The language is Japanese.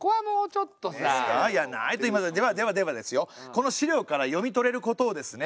この資料から読み取れることをですね